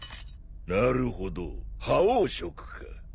なるほど覇王色か。